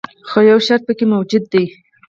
خو یو شرط پکې موجود دی.